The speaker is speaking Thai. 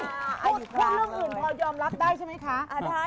พูดเรื่องอื่นพอยอมรับได้ใช่ไหมคะ